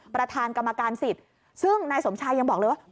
ประธานกรรมการสิทธิ์ซึ่งนายสมชายยังบอกเลยว่า